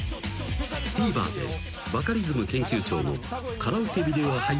［ＴＶｅｒでバカリズム研究長のカラオケビデオ俳優史の完全版を配信。